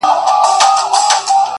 چي له ما تلې نو قدمونو کي کراره سوې;